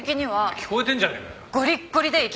聞こえてんじゃねえかよ。